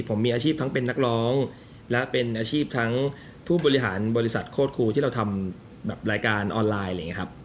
ผมมีอาชีพทั้งเป็นนักร้องและเป็นอาชีพทั้งผู้บริหารบริษัทโค้ดครูที่เราทำรายการออนไลน์